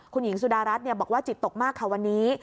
คุณหญิงสุดารัฐบอกว่าจิตตกมากค่ะวันนี้